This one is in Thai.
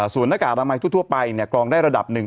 ส่วนน้ากากอร่ำไทยทั่วไปเนี่ยกลองได้ระดับนึง